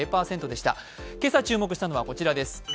今朝注目したのはこちらです。